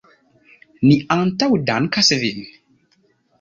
Ni antaŭdankas vin!